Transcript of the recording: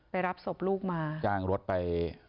รับศพลูกมาจ้างรถไป